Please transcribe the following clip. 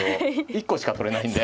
一個しか取れないんで。